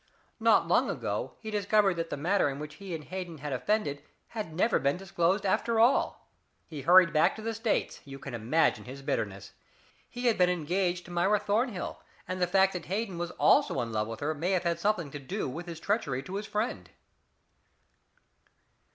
Not long ago he discovered that the matter in which he and Hayden had offended had never been disclosed after all. He hurried back to the states. You can imagine his bitterness. He had been engaged to Myra Thornhill, and the fact that Hayden was also in love with her may have had something to do with his treachery to his friend."